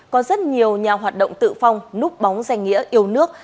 có rất nhiều nhà hoạt động tự phong núp bóng danh nghĩa yêu nước